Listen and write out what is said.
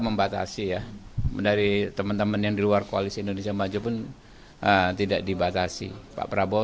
membatasi ya dari teman teman yang di luar koalisi indonesia maju pun tidak dibatasi pak prabowo